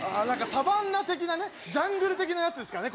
サバンナ的なジャングル的なやつですかね。